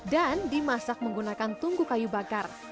dan dimasak menggunakan tunggu kayu bakar